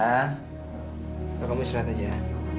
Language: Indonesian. atau kamu istirahat aja